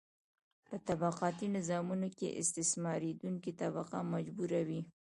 په طبقاتي نظامونو کې استثماریدونکې طبقه مجبوره وي.